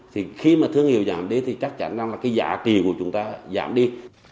thì khi mà thương hiệu giảm đi thì chắc chắn là cái giả kỳ của chúng ta giảm đi